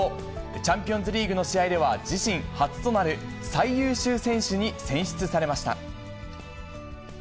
チャンピオンズリーグの試合では自身初となる最優秀選手に選出されました。